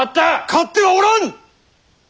勝ってはおらん！